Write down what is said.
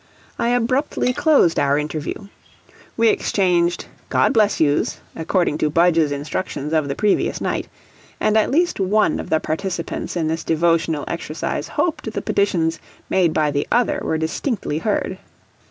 I abruptly closed our interview. We exchanged "God bless you's," according to Budge's instructions of the previous night, and at least one of the participants in this devotional exercise hoped the petitions made by the other were distinctly heard.